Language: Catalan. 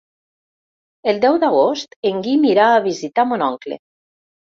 El deu d'agost en Guim irà a visitar mon oncle.